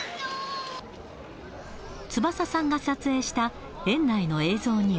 つばささんが撮影した園内の映像には。